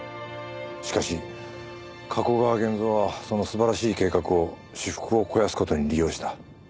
しかし加古川源蔵はその素晴らしい計画を私腹を肥やす事に利用した。